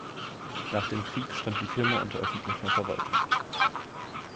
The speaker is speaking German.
Nach dem Krieg stand die Firma unter öffentlicher Verwaltung.